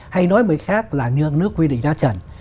hay nói mới khác là nước quy định giá trần